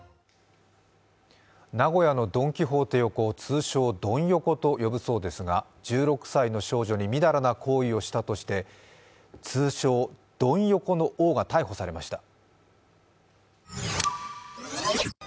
名古屋のドン・キホーテ横を通称、ドン横と呼ぶそうですが１６歳の少女にみだらな行為をしたとして通称・ドン横の王が逮捕されました